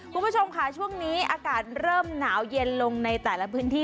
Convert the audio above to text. คุณผู้ชมค่ะช่วงนี้อากาศเริ่มหนาวเย็นลงในแต่ละพื้นที่